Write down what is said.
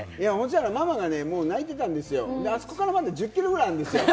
ママがね、もう泣いてたんですよ、あそこからまだ１０ｋｍぐらいあるんですよ。